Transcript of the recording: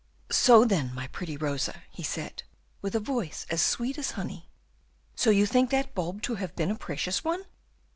"'So, then, my pretty Rosa,' he said, with a voice as sweet a honey, 'so you think that bulb to have been a precious one?